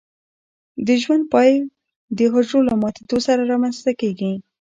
د ژوند پای د حجره له ماتیدو سره رامینځته کیږي.